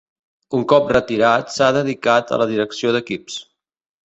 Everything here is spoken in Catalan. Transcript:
Un cop retirat s'ha dedicat a la direcció d'equips.